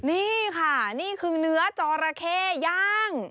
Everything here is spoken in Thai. นี่ค่ะนี่คือเนื้อจอราเข้ย่าง